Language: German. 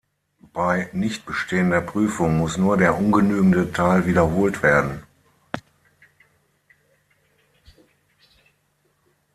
Bei Nichtbestehen der Prüfung muss nur der ungenügende Teil wiederholt werden.